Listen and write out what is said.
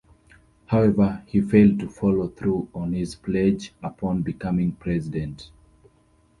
However, he failed to follow through on his pledge upon becoming president.